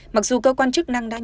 mặc dù cơ quan chức năng đã nhớ